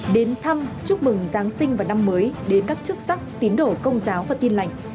đến thăm chúc mừng giáng sinh và năm mới đến các chức sắc tín đổ công giáo và tin lành